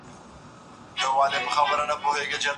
هغه خپل لاسونه پاک ساتي.